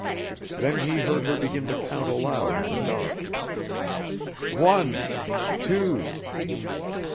Then he heard her begin to count aloud in the dark: "One, two.